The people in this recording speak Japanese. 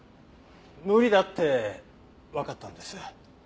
無理だってわかったんです。